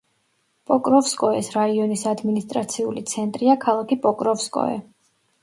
პოკროვსკოეს რაიონის ადმინისტრაციული ცენტრია ქალაქი პოკროვსკოე.